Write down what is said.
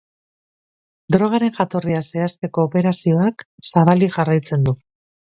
Drogaren jatorria zehazteko operazioak zabalik jarraitzen du.